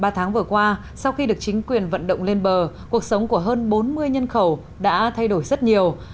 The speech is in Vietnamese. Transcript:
ba tháng vừa qua sau khi được chính quyền vận động lên bờ cuộc sống của hơn bốn mươi nhân khẩu đã thay đổi rất nhiều